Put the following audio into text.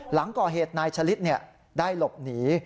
หลังก่อเหตุนายชะลิดได้หลบหนี